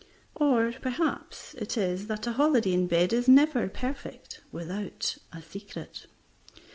Or, perhaps, it is that a holiday in bed is never perfect without a secret.